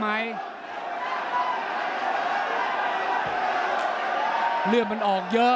ฝ่ายทั้งเมืองนี้มันตีโต้หรืออีโต้